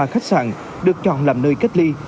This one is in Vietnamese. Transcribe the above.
ba khách sạn được chọn làm nơi cách ly